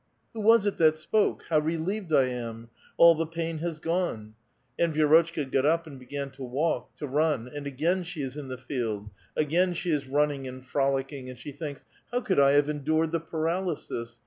" Who was it that spoke? How relieved I am ! All the pain has gone !" And Vi^rotchka got up and began to walk, to run, and again she is in the field ; again she is running and frolicking, and she thinks: ''How could I have endured the paralysis?